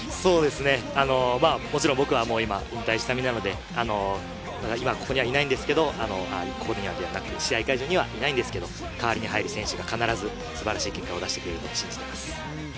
もちろん僕は今引退した身なので、まだ今ここにはいないんですけど、試合会場にはいないんですけど、代わりに入る選手が素晴らしい結果を出してくれると信じています。